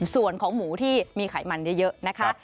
ส่วนของหมูที่มีไขมันเยอะนะคะ